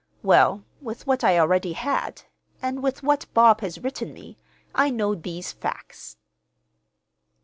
Well, with what I already had, and with what Bob has written me, I know these facts."